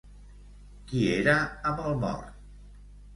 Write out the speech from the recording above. Qui era amb el mort?